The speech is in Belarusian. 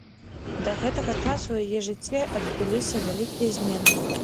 Да гэтага часу ў яе жыцці адбыліся вялікія змены.